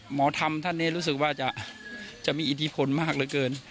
หมอธรรมท่านนี้รู้สึกว่าจะมีอิทธิพลมากเหลือเกิน